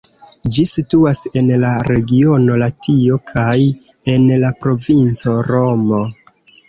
Ĝi situas en la regiono Latio kaj en la provinco Romo.